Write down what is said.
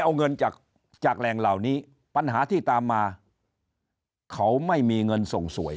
เอาเงินจากแหล่งเหล่านี้ปัญหาที่ตามมาเขาไม่มีเงินส่งสวย